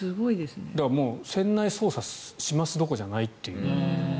もう船内捜査しますどころじゃないという。